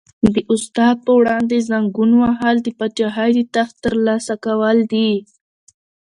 د استاد په وړاندې زنګون وهل د پاچاهۍ د تخت تر لاسه کول دي.